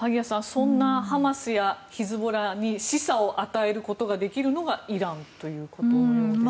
そんなハマスやヒズボラに示唆を与えることができるのがイランということのようですね。